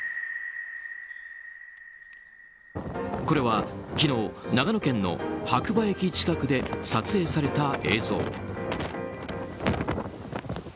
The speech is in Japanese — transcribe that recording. これは昨日長野県の白馬駅近くで撮影された映像。